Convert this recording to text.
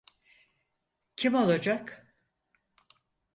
Kim olacak?